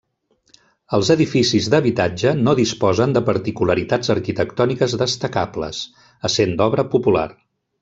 Els edificis d'habitatge no disposen de particularitats arquitectòniques destacables, essent d'obra popular.